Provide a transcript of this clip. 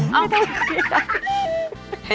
ไม่ต้องคุยกัน